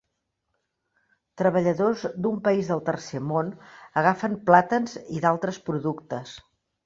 Treballadors d'un país del tercer món agafen plàtans i altres productes.